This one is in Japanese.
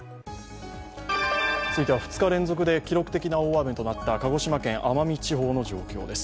続いては２日連続で記録的な大雨となった鹿児島県・奄美地方の状況です。